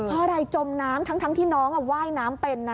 เพราะอะไรจมน้ำทั้งที่น้องว่ายน้ำเป็นนะ